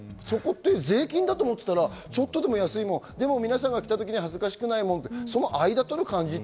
税金だと思ったらちょっとでも安いもの、皆さんが来たときに恥ずかしくないもの、その間を取る感じ。